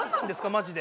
マジで。